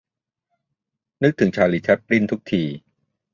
นึกถึง ชาลี แชปลิน ทุกที